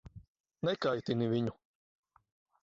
Nekaitini viņu.